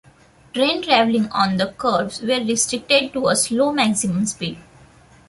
Train travelling on the curves were restricted to a slow maximum speed.